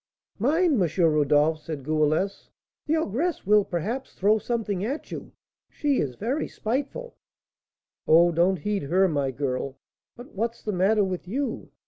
"Mind, M. Rodolph," said Goualeuse; "the ogress will, perhaps, throw something at you, she is very spiteful." "Oh, don't heed her, my girl. But what's the matter with you?